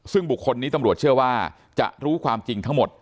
ซึ่งบุคคลนี้ตำรวจเชื่อว่าจะรู้ความจริงทั้งหมด